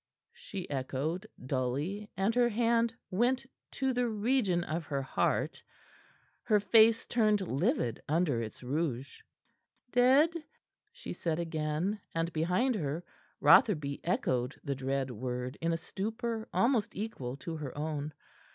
she echoed dully, and her hand went to the region of her heart, her face turned livid under its rouge. "Dead?" she said again, and behind her, Rotherby echoed the dread word in a stupor almost equal to her own.